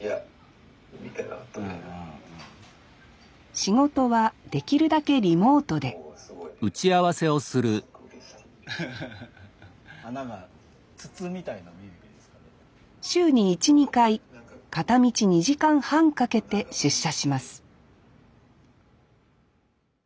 仕事はできるだけリモートで週に１２回片道２時間半かけて出社します